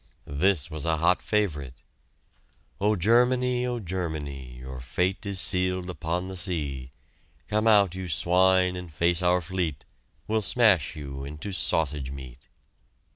This was a hot favorite: "O Germany, O Germany; Your fate is sealed upon the sea. Come out, you swine, and face our fleet; We'll smash you into sausage meat."